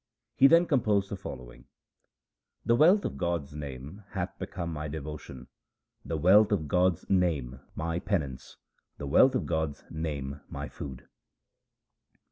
He then composed the following :— The wealth of God's name hath become my devotion, the wealth of God's name my penance, the wealth of God's name my food.